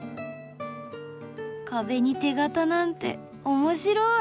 壁に手形なんて面白い。